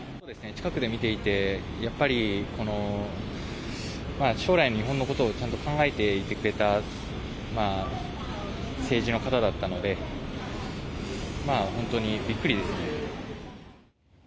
近くで見ていて、やっぱり、この将来の日本のことをちゃんと考えていてくれた政治の方だったので、本当にびっくりです。